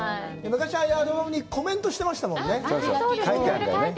昔はあれにコメントしてましたよね。